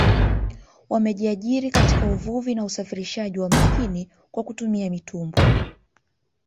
Wamejiajiri katika uvuvi na usafirishaji wa majini kwa kutumia mitumbwi